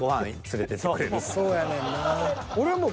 そうやねんな。